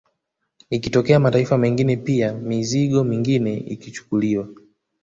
Ikitokea mataifa mengine pia mizigo mingine ikichukuliwa